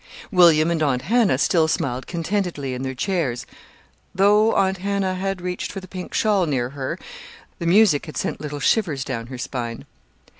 William and Aunt Hannah still smiled contentedly in their chairs, though Aunt Hannah had reached for the pink shawl near her the music had sent little shivers down her spine.